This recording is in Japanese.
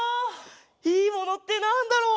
「いいもの」ってなんだろう？